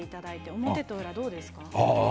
表と裏どうですか。